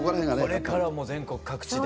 これからはもう全国各地で。